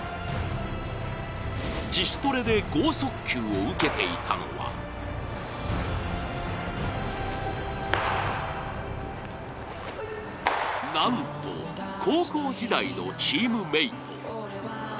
自主トレで剛速球を受けていたのはなんと、高校時代のチームメイト。